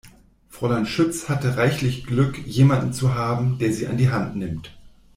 Fräulein Schütz hatte reichlich Glück, jemanden zu haben, der sie an die Hand nimmt.